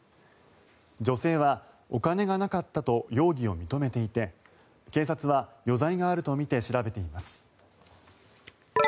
女性はお金がなかったと容疑を認めていて警察は余罪があるとみて調べています。